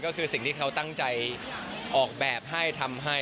ก็คือสิ่งที่เขาตั้งใจออกแบบให้ทำให้